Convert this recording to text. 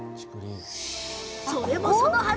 それもそのはず。